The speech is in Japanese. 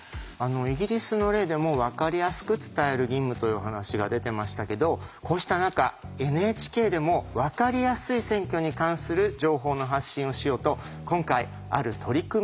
イギリスの例でもわかりやすく伝える義務という話が出てましたけどこうした中ＮＨＫでもわかりやすい選挙に関する情報の発信をしようと今回ある取り組みを始めました。